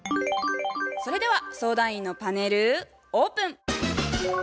それでは相談員のパネルオープン。